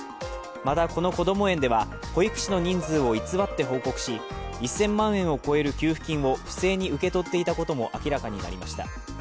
また、このこども園では保育士の人数を偽って報告し１０００万円を超える給付金を不正に受け取っていたことも明らかになりました。